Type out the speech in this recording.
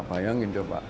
bayangin aja pak